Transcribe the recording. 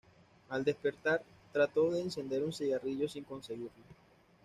Al despertar trató de encender un cigarrillo sin conseguirlo.